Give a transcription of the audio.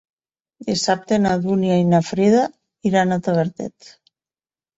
Dissabte na Dúnia i na Frida iran a Tavertet.